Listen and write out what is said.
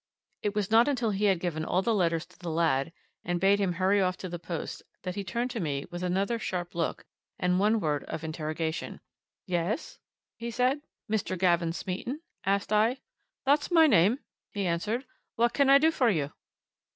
It was not until he had given all the letters to the lad and bade him hurry off to the post, that he turned to me with another sharp look and one word of interrogation. "Yes?" he said. "Mr. Gavin Smeaton?" asked I. "That's my name," he answered. "What can I do for you?"